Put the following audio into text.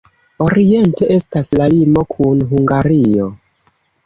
Oriente estas la limo kun Hungario.